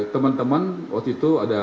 teman teman waktu itu ada